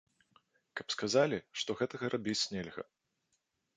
Каб сказалі, што гэтага рабіць нельга.